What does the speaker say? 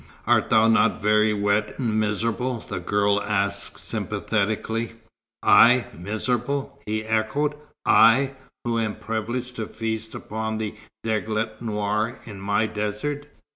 "Art thou not very wet and miserable?" the girl asked sympathetically. "I miserable?" he echoed. "I who am privileged to feast upon the deglet nour, in my desert?"